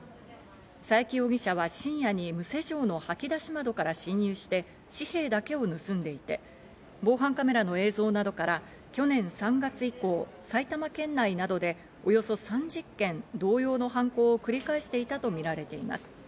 佐伯容疑者は深夜に無施錠の掃き出し窓から侵入して紙幣だけを盗んでいて、防犯カメラの映像などから去年３月以降、埼玉県内などでおよそ３０件、同様の犯行を繰り返していたとみられています。